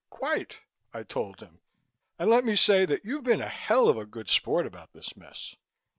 "Quite!" I told him, "and let me say that you've been a hell of a good sport about this mess.